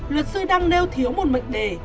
luật sư đang nêu thiếu một mệnh đề